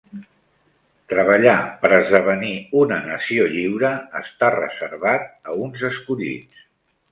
Treballar per esdevenir una nació lliure està reservat a uns escollits.